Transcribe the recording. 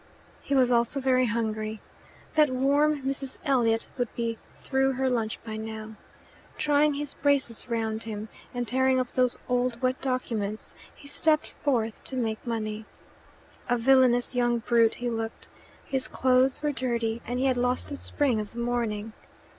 He was also very hungry. That worm Mrs. Elliot would be through her lunch by now. Trying his braces round him, and tearing up those old wet documents, he stepped forth to make money. A villainous young brute he looked: his clothes were dirty, and he had lost the spring of the morning.